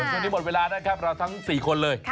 วันนี้หมดเวลานะครับเราทั้ง๔คนเลย